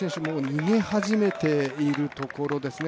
逃げ始めているところですね。